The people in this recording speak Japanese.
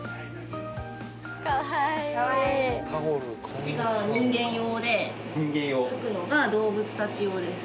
こっちが人間用で奥のが動物たち用です。